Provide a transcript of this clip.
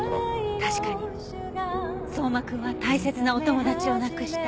確かに相馬くんは大切なお友達を亡くした。